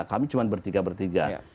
kami cuma bertiga bertiga